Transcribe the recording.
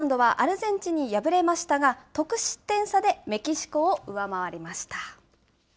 ポーランドはアルゼンチンに敗れましたが、得失点差でメキシコを上回りました。